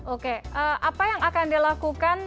oke apa yang akan dilakukan